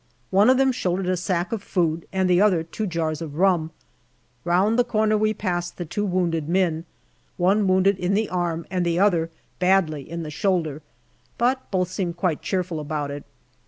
One of them shouldered a sack of food, and the other two jars of rum. Round the corner we passed the two wounded men one wounded in the arm and the other badly in the shoulder ; but both seemed quite cheerful about it.